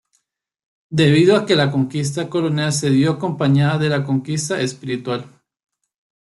Debido a que la conquista colonial se dio acompañada de la conquista espiritual.